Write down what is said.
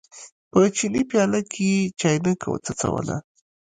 په چیني پیاله کې یې چاینکه وڅڅوله.